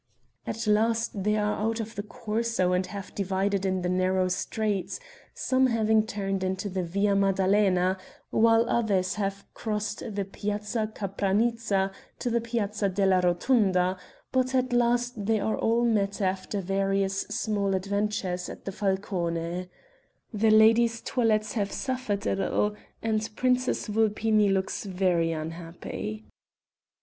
At last they are out of the Corso and have divided in the narrow streets; some having turned into the Via Maddalena, while others have crossed the Piazza Capranica to the Piazza della Rotunda; but at last they are all met after various small adventures at the 'Falcone.' The ladies' toilets have suffered a little and Princess Vulpini looks very unhappy.